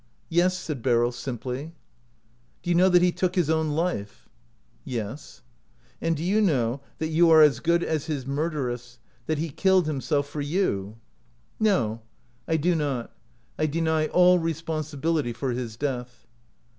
".Yes," said Beryl, simply. " Do you know that he took his own life? "" Yes." " And do you know that you are as good 12 177 OUT OF BOHEMIA as his murderess — that he killed himself for you?" " No, I do not. I deny all responsibility for his death."